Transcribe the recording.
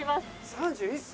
３１歳。